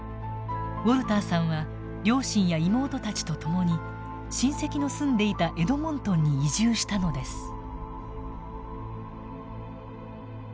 ウォルターさんは両親や妹たちと共に親戚の住んでいたエドモントンに移住したのです。